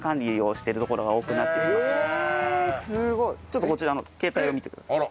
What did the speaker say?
ちょっとこちらの携帯を見てください。